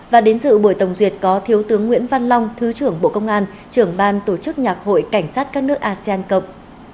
và đến dự buổi tổng duyệt có thiếu tướng nguyễn văn long thứ trưởng bộ công an trưởng ban tổ chức nhạc hội cảnh sát các nước asean cộng